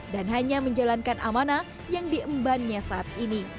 dan hanya menjalankan amanah yang diembannya saat ini